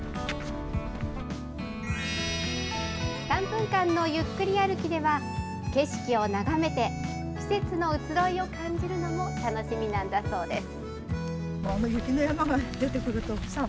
３分間のゆっくり歩きでは、景色を眺めて、季節の移ろいを感じるのも楽しみなんだそうです。